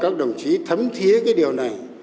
các đồng chí thấm thiế cái điều này